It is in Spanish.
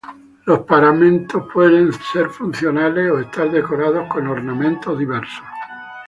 Los paramentos pueden ser funcionales, o estar decorados con ornamentos diversos.